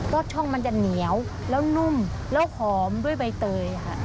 ก็ช่องมันจะเหนียวแล้วนุ่มแล้วหอมด้วยใบเตยค่ะ